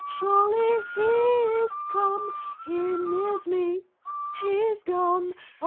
Surely He is come! He nears me; He is gone!